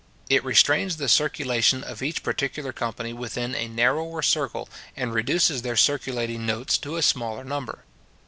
It restrains the circulation of each particular company within a narrower circle, and reduces their circulating notes to a smaller number.